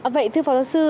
vậy thưa phó giáo sư